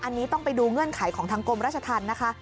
อันนี้ต้องไปดูเงื่อนไขของทางกรมราชธรรมนะคะ